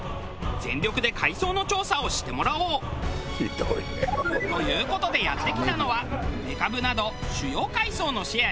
全力で海藻の調査をしてもらおう。という事でやって来たのはめかぶなど主要海藻のシェア